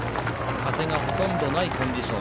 風がほとんどないコンディション。